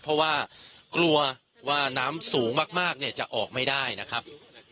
เพราะว่ากลัวว่าน้ำสูงมากเนี่ยจะออกไม่ได้นะครับ